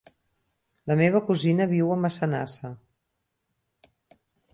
La meva cosina viu a Massanassa.